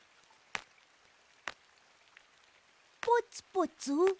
ポツポツ？